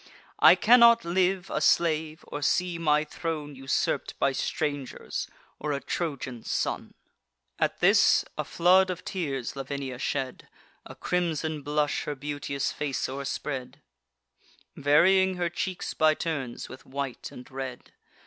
I cannot live a slave, or see my throne Usurp'd by strangers or a Trojan son." At this, a flood of tears Lavinia shed; A crimson blush her beauteous face o'erspread, Varying her cheeks by turns with white and red.